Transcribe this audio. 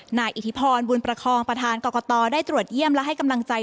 นายอิทธิพรบุญประคองประธานกรกตได้ตรวจเยี่ยมและให้กำลังใจ